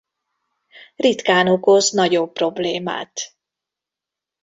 Ritkán okoz nagyobb problémát.